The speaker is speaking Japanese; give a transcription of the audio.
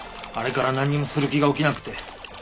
あれから何もする気が起きなくて。